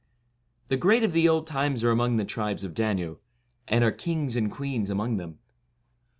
The great of the old times are among the 68 Tribes of Danu, and are kings and queens among them.